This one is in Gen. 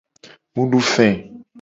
Mu du fe.